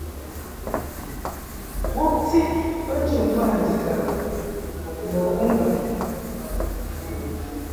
Wumti bə njə mandikaŋ mbo bumbaŋ.